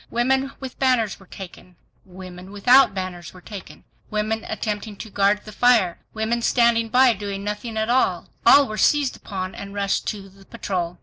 Women with banners were taken; women without banners were taken. Women attempting to guard the fire; women standing by doing nothing at all; all were seized upon and rushed to the patrol.